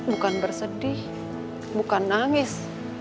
bukan bersedih bukan nangis